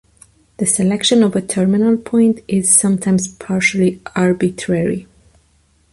The selection of a terminal point is sometimes partially arbitrary.